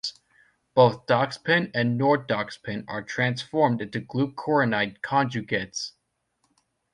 Both doxepin and nordoxepin are transformed into glucuronide conjugates.